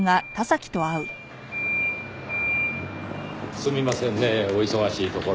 すみませんねお忙しいところ。